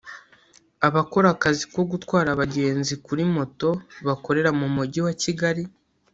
Abakora akazi ko gutwara abagenzi kuri moto bakorera mu Mujyi wa Kigali